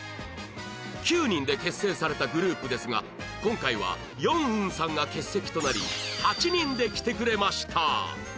９人で結成されたグループですが今回はヨンウンさんが欠席となり８人で来てくれました